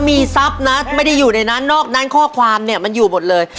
มีทรัพย์นะไม่ได้อยู่ในนั้นนอกนั้นข้อความเนี่ยมันอยู่หมดเลย